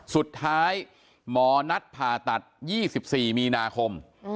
สุดท้ายหมอนัดผ่าตัด๒๔มีนาคม